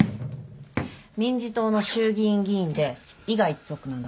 民事党の衆議院議員で伊賀一族なんだって。